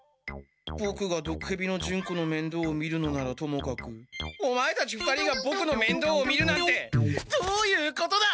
ボクがどくへびのジュンコのめんどうを見るのならともかくオマエたち２人がボクのめんどうを見るなんてどういうことだ？